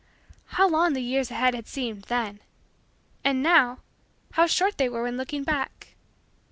How long the years ahead had seemed, then and now, how short they were when looking back!